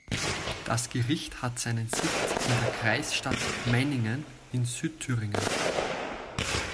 Das Gericht hat seinen Sitz in der Kreisstadt Meiningen in Südthüringen.